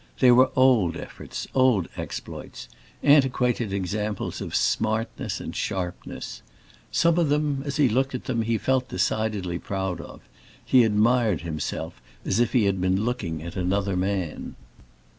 They were old efforts, old exploits, antiquated examples of "smartness" and sharpness. Some of them, as he looked at them, he felt decidedly proud of; he admired himself as if he had been looking at another man.